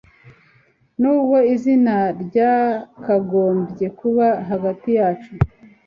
Nubwo izina ryakagombye kuba hagati yacu